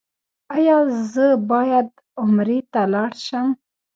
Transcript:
ایا زه باید عمرې ته لاړ شم؟